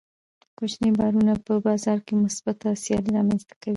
کوچني کاروبارونه په بازار کې مثبته سیالي رامنځته کوي.